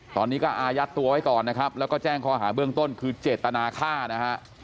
ตอนนี้ก็อายัดตัวไว้ก่อนนะครับแล้วก็แจ้งข้อหาเบื้องต้นคือเจตนาฆ่านะฮะ